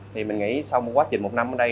thì mình nghĩ sau một quá trình một năm ở đây